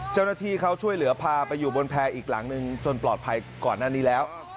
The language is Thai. เจ้าหน้าที่เขาช่วยเหลือพาไปอยู่บนแพร่อีกหลังหนึ่งจนปลอดภัยก่อนหน้านี้แล้ว